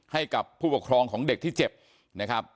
ให้กับผู้ปกครองของเด็กที่เจ็บนะครับ